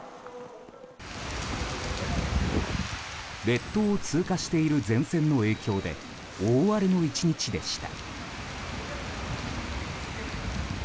列島を通過している前線の影響で大荒れの１日でした。